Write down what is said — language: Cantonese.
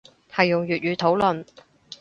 係用粵語討論